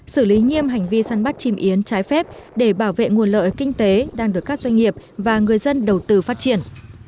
xử lý nghiêm hành vi săn bắt chim yến trái phép để bảo vệ nguồn lợi kinh tế đang được các doanh nghiệp và người dân đầu tư phát triển